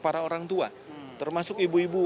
para orang tua termasuk ibu ibu